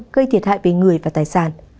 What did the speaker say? gây thiệt hại về người và tài sản